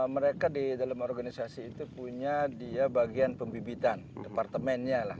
mereka di dalam organisasi itu punya dia bagian pembibitan departemennya lah